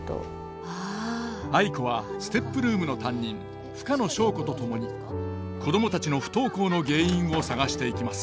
藍子はＳＴＥＰルームの担任深野祥子と共に子供たちの不登校の原因を探していきます。